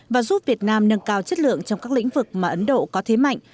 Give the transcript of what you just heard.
và giúp việt nam nâng cao chất lượng trong các lĩnh vực mà ấn độ có thế mạnh